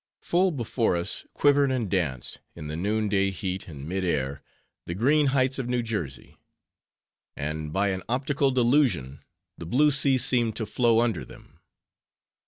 Full before us quivered and danced, in the noon day heat and mid air, the green heights of New Jersey; and by an optical delusion, the blue sea seemed to flow under them.